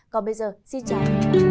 còn bây giờ xin chào